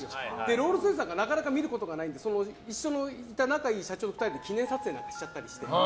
ロールスロイスなんかなかなか見ることがないので一緒にいた仲のいい社長と記念撮影なんかしちゃったりして。